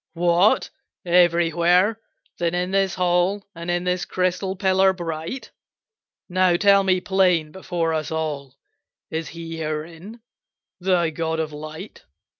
"What! everywhere? Then in this hall, And in this crystal pillar bright? Now tell me plain, before us all, Is He herein, thy God of light?"